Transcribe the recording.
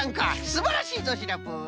すばらしいぞシナプー！